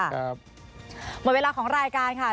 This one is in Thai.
หมดเวลาของรายการค่ะ